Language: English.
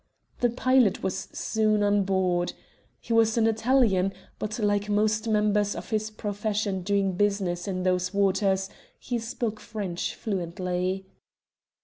The pilot was soon on board. He was an Italian, but, like most members of his profession doing business in those waters, he spoke French fluently.